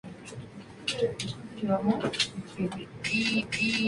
En Vic mantiene posturas políticas contrarias a los inmigrantes y a los musulmanes.